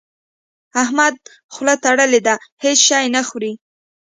احمد خوله تړلې ده؛ هيڅ شی نه خوري.